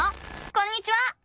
こんにちは！